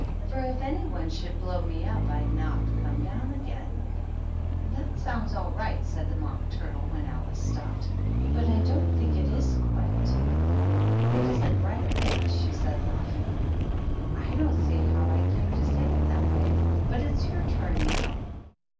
For if any one should blow me up I^d not come down again: "" Tliat sounds all right," said the Mock Turtle, when Alice stopped ;" but I don't think it is, quite." " Oh, it isn't right a bit," she said, laughing. " I don't see how I came to say it that way. But it's your turn now."